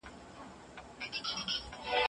نړیوال قوانین د هیوادونو د ملي حاکمیت ملاتړ کوي.